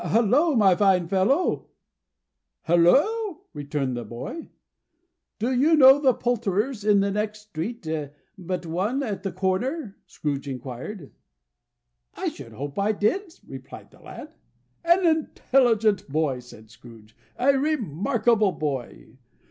Hallo, my fine fellow?" "Hallo!" returned the boy. "Do you know the Poulterer's, in the next street but one, at the corner?" Scrooge inquired. "I should hope I did," replied the lad. "An intelligent boy!" said Scrooge. "A remarkable boy!